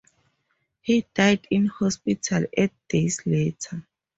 He died in hospital eight days later.